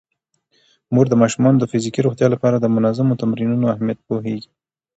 مور د ماشومانو د فزیکي روغتیا لپاره د منظمو تمرینونو اهمیت پوهیږي.